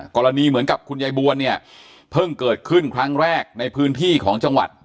กรณีเหมือนกับคุณยายบวนเนี่ยเพิ่งเกิดขึ้นครั้งแรกในพื้นที่ของจังหวัด